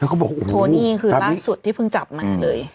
แล้วเขาบอกโทนี้คือร้านสุดที่พึ่งจับมาเลย